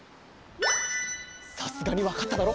さすがにわかっただろ？